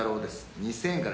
２，０００円から。